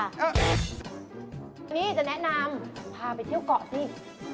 วันนี้จะแนะนำพาไปเที่ยวก่อดี